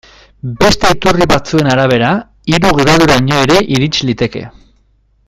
Beste iturri batzuen arabera, hiru graduraino ere irits liteke.